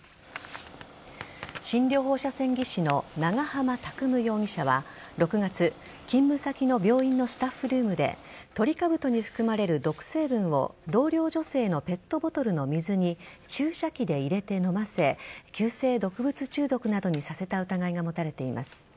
診療放射線技師の長浜拓夢容疑者は６月勤務先の病院のスタッフルームでトリカブトに含まれる毒成分を同僚女性のペットボトルの水に注射器で入れて飲ませ急性毒物中毒などにさせた疑いが持たれています。